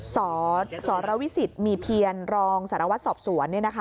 สสรวิสิตมีเพียรรองสารวัตรสอบสวน